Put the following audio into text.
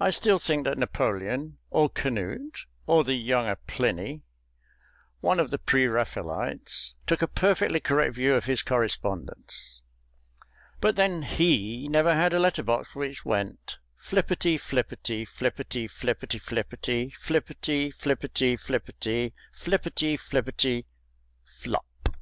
I still think that Napoleon (or Canute or the younger Pliny one of the pre Raphaelites) took a perfectly correct view of his correspondence ... but then he never had a letter box which went _Flipperty flipperty flipperty flipperty flipperty flipperty flipperty flipperty flipperty flipperty FLOP.